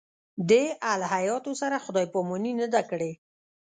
دې الهیاتو سره خدای پاماني نه ده کړې.